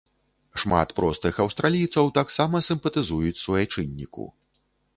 Шмат простых аўстралійцаў таксама сімпатызуюць суайчынніку.